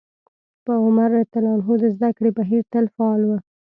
په عمر رض کې د زدکړې بهير تل فعال و.